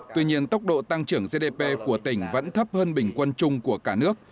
tuy nhiên tốc độ tăng trưởng gdp của tỉnh vẫn thấp hơn bình quân chung của cả nước